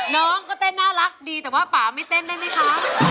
น้องก็เต้นน่ารักดีแต่ว่าป่าไม่เต้นได้ไหมคะ